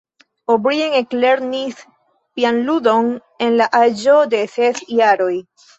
O’Brien eklernis pianludon en la aĝo de ses jaroj.